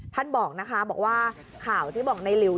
ท่านบอกนะคะบอกว่าข่าวที่บอกในหลิว